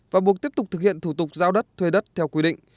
và buộc tiếp tục thực hiện thủ tục giao đất thuê đất theo quy định